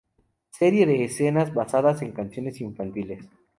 Serie de escenas basadas en canciones infantiles.